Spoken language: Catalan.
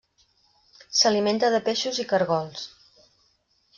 S'alimenta de peixos i caragols.